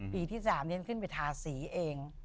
ปีที่สามที่ท่านเคยไปทาสีเอง